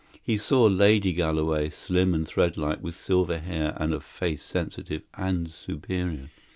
He saw Lady Galloway, slim and threadlike, with silver hair and a face sensitive and superior.